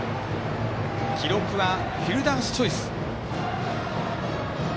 記録はフィルダースチョイス。